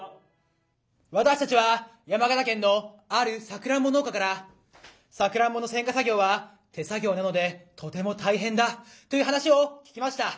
私たちは山形県のあるさくらんぼ農家から「さくらんぼの選果作業は手作業なのでとても大変だ」という話を聞きました。